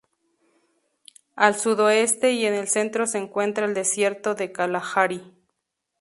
Al sudoeste y en el centro se encuentra el desierto de Kalahari.